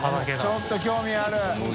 ちょっと興味ある。